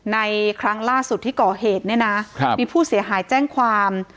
ครั้งล่าสุดที่ก่อเหตุเนี่ยนะมีผู้เสียหายแจ้งความ